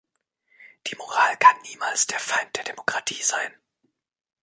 Die Moral kann niemals der Feind der Demokratie sein!